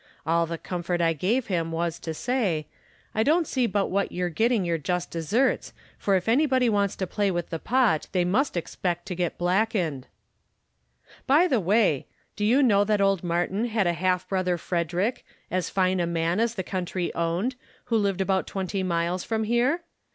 All the comfort I gave him was to say, 'I don't see but what you're getting your just deserts, for if anybody wants to play with the pot, they must expect to get blackened !' FACTS ABOUT THE KALLIKAK FAMILY 85 "By the way ! Do you know that old Martin had a half brother Frederick as fine a man as the coun try owned who lived about twenty miles from here